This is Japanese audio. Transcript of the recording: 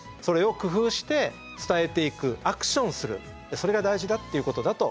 それが大事だっていうことだと。